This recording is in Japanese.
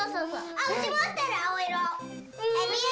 ・あうち持ってる青色。